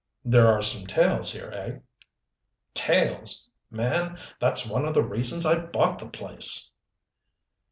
"There are some tales here, eh?" "Tales! Man, that's one of the reasons I bought the place."